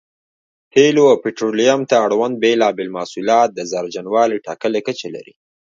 تېلو او پټرولیم ته اړوند بېلابېل محصولات د زهرجنوالي ټاکلې کچه لري.